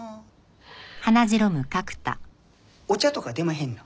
お茶とか出まへんの？